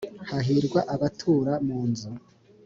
hahirwa abatura mu nzu